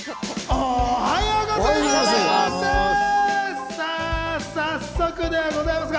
おはようございます！